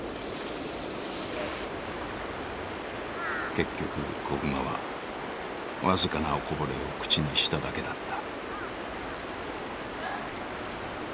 結局子熊は僅かなおこぼれを口にしただけだった。